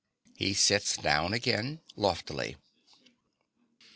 (He sits down again loftily.)